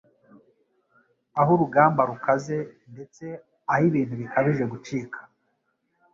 aho urugamba rukaze, ndetse aho ibintu bikabije gucika.